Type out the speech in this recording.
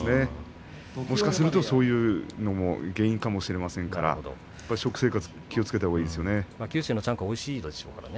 もしかするとそういうことも原因かもしれませんから食生活を気をつけたほうがいいですよね。